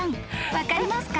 分かりますか？］